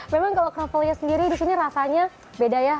memang kalau krovelnya sendiri disini rasanya beda ya